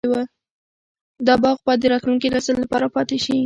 دا باغ به د راتلونکي نسل لپاره پاتې شي.